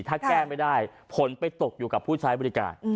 ถ้าแก้ไม่ได้ผลไปตกอยู่กับผู้ใช้บริการ